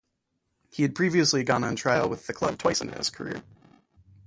He had previously gone on trial with the club twice in his career.